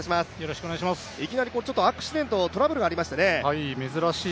いきなりアクシデント、トラブルがありましてね。